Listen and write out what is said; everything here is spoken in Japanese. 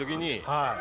はい。